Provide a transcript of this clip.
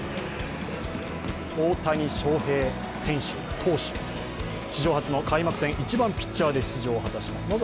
大谷翔平選手、投手、史上初の開幕戦、１番・ピッチャーで出場を果たします。